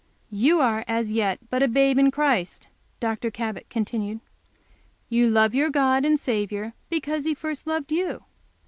"You are as yet but a babe in Christ," Dr. Cabot continued. "You love your God and Saviour because He first loved you.